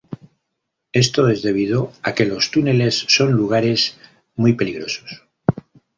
Esto es debido a que los túneles son lugares muy peligrosos.